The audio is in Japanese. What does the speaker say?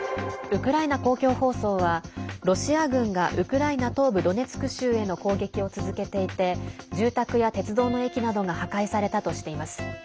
ウクライナ公共放送はロシア軍がウクライナ東部ドネツク州への攻撃を続けていて住宅や鉄道の駅などが破壊されたとしています。